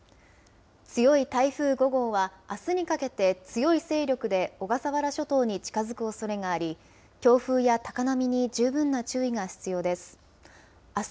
強い台風５号は、あすにかけて強い勢力で小笠原諸島に近づくおそれがあり、強風や高波に十分な注意が必要です。